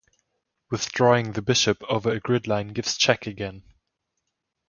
Withdrawing the bishop over a grid line gives check again.